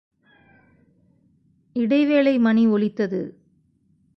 இடைவேளை மணி ஒலித்தது.